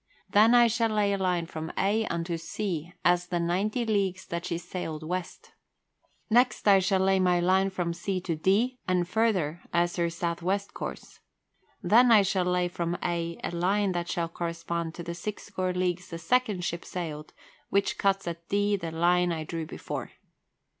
Then I shall lay a line from A unto C as the ninety leagues that she sailed west. Next I shall lay my line from C to D, and further, as her south west course. Then I shall lay from A a line that shall correspond to the six score leagues the second ship sailed, which cuts at D the line I drew before."